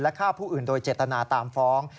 ฆ่าผู้อื่นโดยเจตนาตามฟ้อง